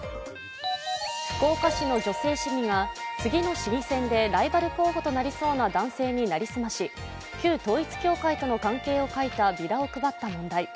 福岡市の女性市議が次の市議選でライバル候補となりそうな男性に成り済まし旧統一教会との関係を書いたビラを配った問題。